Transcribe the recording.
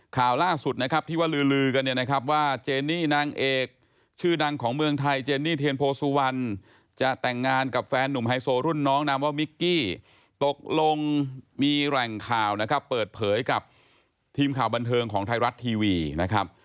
ข่าวล่าสุดนะครับที่ว่าลือลือกันเนี่ยนะครับว่าเจนี่นางเอกชื่อดังของเมืองไทยเจนี่เทียนโพสุวรรณจะแต่งงานกับแฟนหนุ่มไฮโซรุ่นน้องนามว่ามิกกี้ตกลงมีแหล่งข่าวนะครับเปิดเผยกับทีมข่าวบันเทิงของไทยรัฐทีวีนะครับ